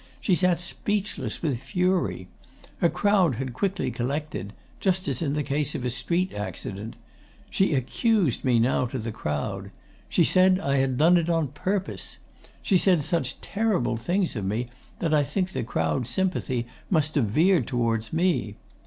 She sat speechless with fury. A crowd had quickly collected just as in the case of a street accident. She accused me now to the crowd. She said I had done it on purpose. She said such terrible things of me that I think the crowd's sympathy must have veered towards me.